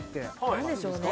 何でしょうね？